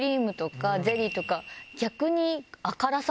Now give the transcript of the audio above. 逆に。